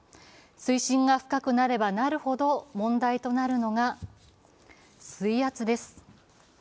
水深が深くなればなるほど問題となるのが水圧です。